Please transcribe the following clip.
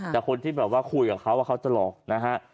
แต่คนที่แบบว่าคุยกับเขาว่าเขาจะหลอกนะฮะ